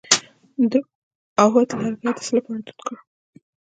د عود لرګی د څه لپاره دود کړم؟